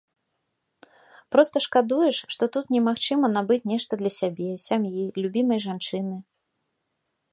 Проста шкадуеш, што тут немагчыма набыць нешта для сябе, сям'і, любімай жанчыны.